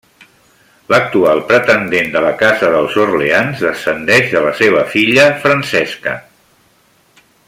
L'actual pretendent de la Casa dels Orleans descendeix de la seva filla Francesca.